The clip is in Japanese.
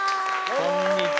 こんにちは。